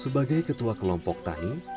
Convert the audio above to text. sebagai ketua kelompok tani